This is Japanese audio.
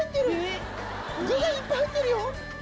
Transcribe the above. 具がいっぱい入ってるよ！